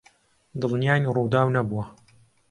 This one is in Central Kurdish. دڵنیاین ڕووداو نەبووە.